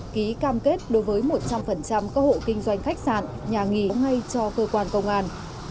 ký cam kết đối với một trăm linh các hộ kinh doanh khách sạn nhà nghỉ ngay cho cơ quan công an